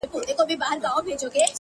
دښایستونو خدایه اور ته به مي سم نیسې’